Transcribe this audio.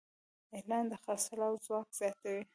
اعلان د خرڅلاو ځواک زیاتوي.